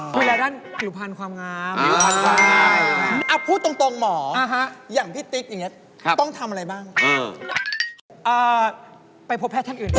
ดูดีอยู่แล้วใช่มั้ยครับ